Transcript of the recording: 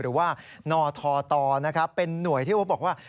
หรือว่านอทอตล์นะคะเป็นหน่วยที่บางคนว่า